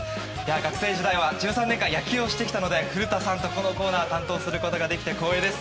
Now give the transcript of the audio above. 学生時代は１３年間野球をしてきたので古田さんとこのコーナーを担当することができて光栄です。